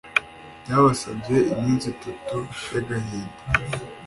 byabasabye iminsi itatu y'agahinda.